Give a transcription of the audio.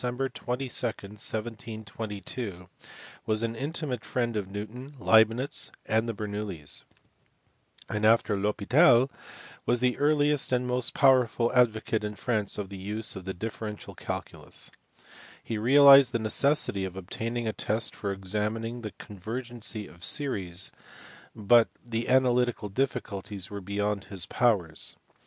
22, 1722, was an intimate friend of Newton, Leibnitz, and the Bernoullis, and, after 1 Hospital, was the earliest and most powerful advocate in France of the use of the differential calculus. He realized the necessity of obtaining a test for examining the convergency of series, but the analytical difficulties were beyond his powers.